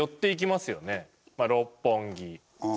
まあ六本木。